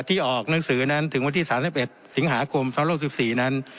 ที่ออกหนังสือนั้นถึงวันที่สามสิบเอ็ดสิงหากรมสามรกสิบสี่นั้น